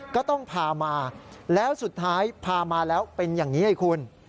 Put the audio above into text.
ก็ต้องพามาแล้วสุดท้ายพามาแล้วเป็นอย่างนี้ให้คุณ